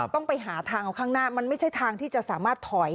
ต้องไปหาทางเอาข้างหน้ามันไม่ใช่ทางที่จะสามารถถอย